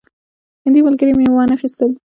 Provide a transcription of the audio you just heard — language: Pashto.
هندي ملګري مې وانه خیستل.